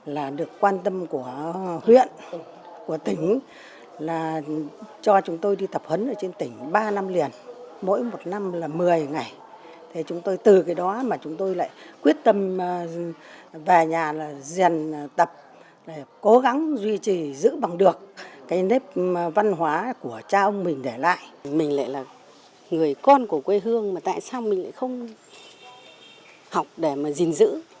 văn hóa của cha ông mình để lại mình lại là người con của quê hương mà tại sao mình lại không học để mà gìn giữ